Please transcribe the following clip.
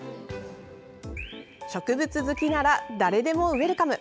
植物好きなら誰でもウェルカム！